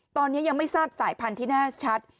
ตอนนี้ยังไม่ทราบสายพันธุ์ที่แน่ชัด